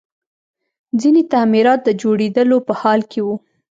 ځینې تعمیرات د جوړېدلو په حال کې وو